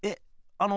あの？